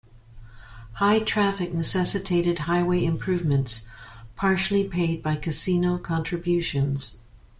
High traffic necessitated highway improvements, partially paid by casino contributions.